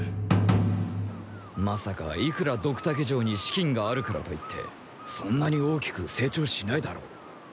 まさかいくらドクタケ城に資金があるからといってそんなに大きく成長しないだろう。